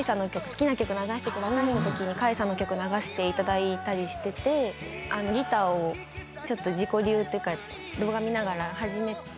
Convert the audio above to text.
好きな曲流してくださいのときに流していただいたりしててギターをちょっと自己流というか動画見ながら始めて。